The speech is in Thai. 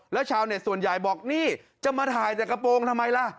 แล้วชาวเน็ตส่วนใหญ่บอกนี่จะมาถ่ายจากกระโปรงทำไมล่ะ